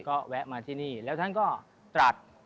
ก็แวะมาที่นี่แล้วท่านก็ตรัส